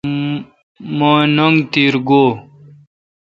مہ ننگ تیرا گو°